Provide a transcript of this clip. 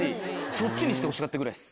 そっちにしてほしかったぐらいです。